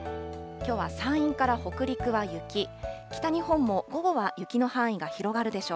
きょうは山陰から北陸は雪、北日本も午後は雪の範囲が広がるでしょう。